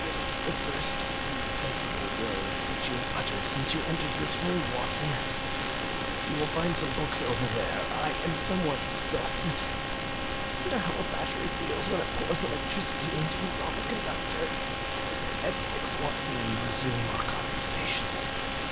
"The first three sensible words that you have uttered since you entered this room, Watson. You will find some books over there. I am somewhat exhausted; I wonder how a battery feels when it pours electricity into a non conductor? At six, Watson, we resume our conversation."